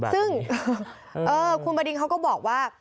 ซึ่งคุณบดินเขาก็บอกว่า